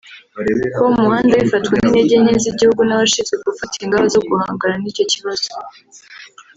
Kuba mu muhanda bifatwa nk’intege nke z’igihugu n’abashinzwe gufata ingamba zo guhangana n’icyo kibazo